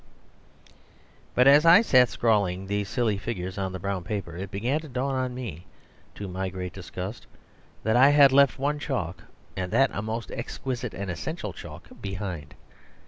..... But as I sat scrawling these silly figures on the brown paper, it began to dawn on me, to my great disgust, that I had left one chalk, and that a most exquisite and essential chalk, behind.